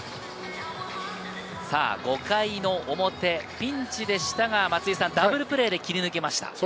５回の表、ピンチでしたが、ダブルプレーで切り抜けました。